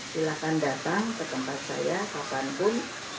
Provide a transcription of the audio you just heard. silahkan datang ke tempat saya kapanpun